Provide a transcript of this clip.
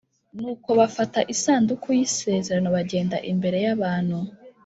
Nuko bafata isanduku y isezerano bagenda imbere y abantu